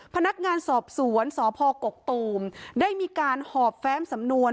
พนักงานสอบสวนสพกกตูมได้มีการหอบแฟ้มสำนวน